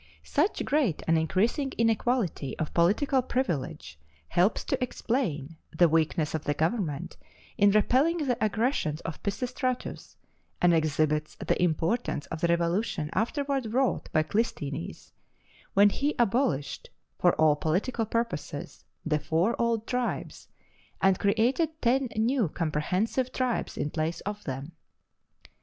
Such great and increasing inequality of political privilege helps to explain the weakness of the government in repelling the aggressions of Pisistratus, and exhibits the importance of the revolution afterward wrought by Clisthenes, when he abolished (for all political purposes) the four old tribes, and created ten new comprehensive tribes in place of them.